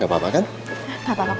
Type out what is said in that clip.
dan dia kalau temukan aku